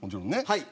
はい。